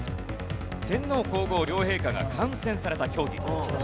天皇皇后両陛下が観戦された競技。